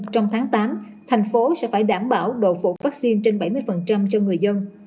trong tháng tám thành phố sẽ phải đảm bảo đồ phụ vaccine trên bảy mươi cho người dân